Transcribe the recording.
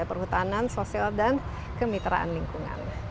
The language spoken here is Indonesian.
perhutanan sosial dan kemitraan lingkungan